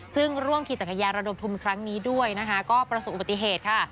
ซึ่งร่วมขี่จักรยานระดมทุนครั้งนี้ด้วยนะคะก็ประสบอุบัติเหตุค่ะ